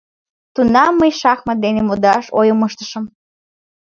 Тунам мый шахмат дене модаш ойым ыштышым.